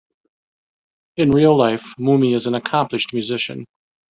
In real life, Mumy is an accomplished musician.